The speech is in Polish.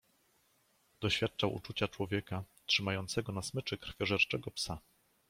"Doświadczał uczucia człowieka, trzymającego na smyczy krwiożerczego psa."